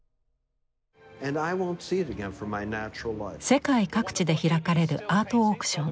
世界各地で開かれるアートオークション。